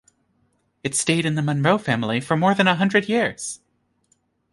It stayed in the Monro family for more than a hundred years.